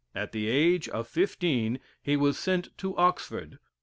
At the age of fifteen he was sent to Oxford.